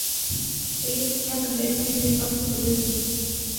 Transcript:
کئی ٹیکسیاں بغیر رکے میر پاس سے گزر گئیں